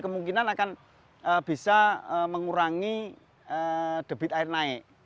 kemungkinan akan bisa mengurangi debit air naik